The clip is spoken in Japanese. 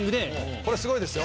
これスゴいですよ。